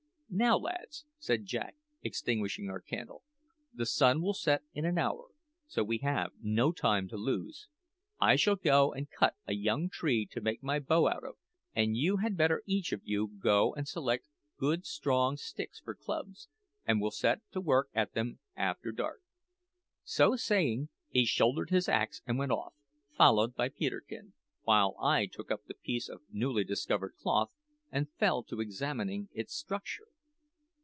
"Now, lads," said Jack, extinguishing our candle, "the sun will set in an hour, so we have no time to lose. I shall go and cut a young tree to make my bow out of, and you had better each of you go and select good strong sticks for clubs, and we'll set to work at them after dark." So saying, he shouldered his axe and went off; followed by Peterkin; while I took up the piece of newly discovered cloth, and fell to examining its structure.